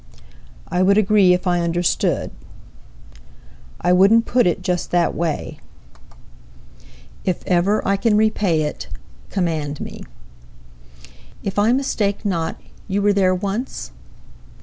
I would agree if I understood I wouldn't put it just that way If ever I can repay it, command me If I mistake not you were there once?